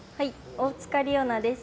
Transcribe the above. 大塚梨生奈です。